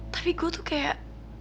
tapi gue tuh kayak